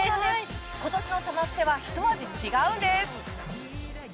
今年のサマステはひと味違うんです。